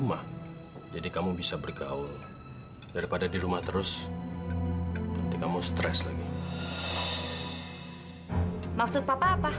mama gak bisa jauh dari kamu mila